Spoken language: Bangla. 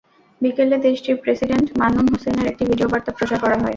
বিকেলে দেশটির প্রেসিডেন্ট মামনূন হোসেইনের একটি ভিডিও বার্তা প্রচার করা হয়।